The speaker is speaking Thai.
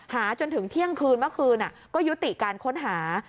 จนถึงเที่ยงคืนเมื่อคืนก็ยุติการค้นหา